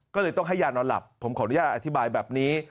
ก็เลยต้องให้ยานอนหลับผมขออนุญาตอธิบายแบบนี้